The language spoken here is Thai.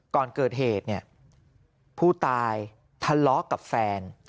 ก่อนเกิดเหตุเนี่ยผู้ตายทะเลาะกับแฟน